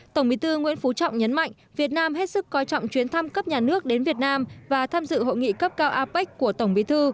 tổng bí thư nguyễn phú trọng nhấn mạnh việt nam hết sức coi trọng chuyến thăm cấp nhà nước đến việt nam và tham dự hội nghị cấp cao apec của tổng bí thư